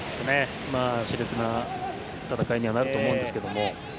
熾烈な戦いになると思うんですけども。